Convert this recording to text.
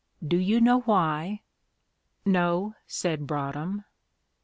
"Do you know why?" "No," said Broadhem.